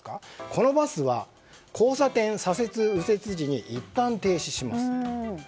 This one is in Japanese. このバスは交差点左折右折時にいったん停止します。